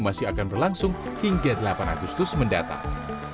masih akan berlangsung hingga delapan agustus mendatang